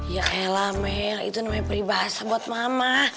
ya elah mel itu namanya peribahasa buat mama